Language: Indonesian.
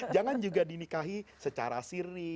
jangan juga dinikahi secara siri